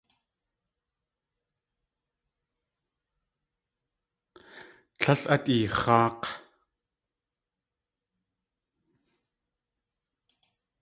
Líl at eex̲áak̲!